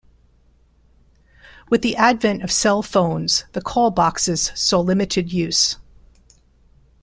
With the advent of cell phones, the call boxes saw limited use.